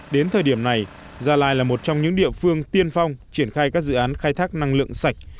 đến thời điểm này gia lai là một trong những địa phương tiên phong triển khai các dự án khai thác năng lượng sạch